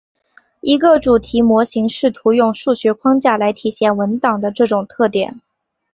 一个主题模型试图用数学框架来体现文档的这种特点。